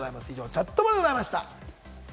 チャットバでございました。